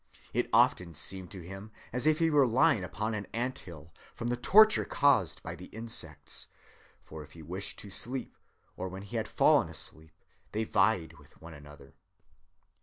It often seemed to him as if he were lying upon an ant‐hill, from the torture caused by the insects; for if he wished to sleep, or when he had fallen asleep, they vied with one another.